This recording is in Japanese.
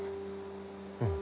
うん。